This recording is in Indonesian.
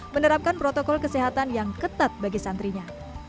menerapkan protokol kesehatan yang ketat bagi santrinya